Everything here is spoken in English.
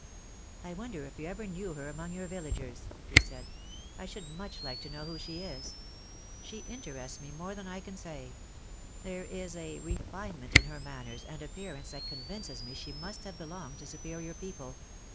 "I wonder if you ever knew her among your villagers," he said. "I should much like to know who she is. She interests me more than I can say. There is a refinement in her manners and appearance that convinces me she must have belonged to superior people.